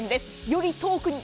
より遠くに。